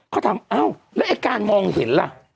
เขาถามอ้าวแล้วไอ้การมองเห็นล่ะ